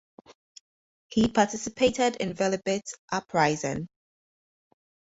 He participated in Velebit uprising.